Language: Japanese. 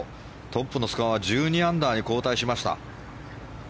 トップのスコアが１２アンダーに後退しました。